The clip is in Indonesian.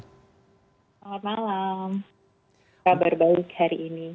selamat malam kabar baik hari ini